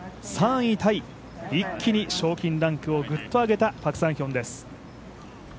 ３位タイ、一気に賞金ランクをぐっとあげたパク・サンヒョンです